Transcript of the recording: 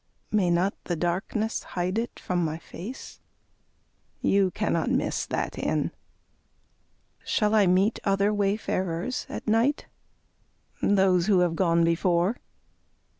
May not the darkness hide it from my face? You cannot miss that inn. Shall I meet other wayfarers at night? Those who have gone before.